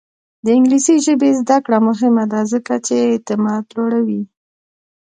د انګلیسي ژبې زده کړه مهمه ده ځکه چې اعتماد لوړوي.